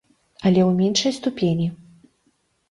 Але ў меншай ступені.